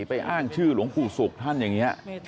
อ้างชื่อหลวงปู่ศุกร์ท่านอย่างนี้